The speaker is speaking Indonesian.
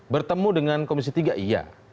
bertemu dengan komisi tiga iya